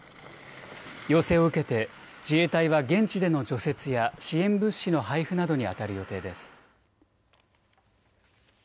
要請を受けて自衛隊は現地での除雪や支援物資の配布などにあたる予定です。